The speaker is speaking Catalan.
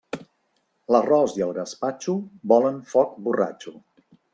L'arròs i el gaspatxo volen foc borratxo.